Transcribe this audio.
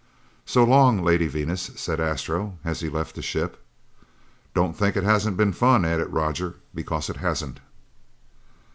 "So long, Lady Venus," said Astro, as he left the ship. "Don't think it hasn't been fun," added Roger, "because it hasn't!"